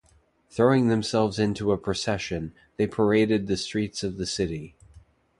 Throwing themselves into a procession, they paraded the streets of the city.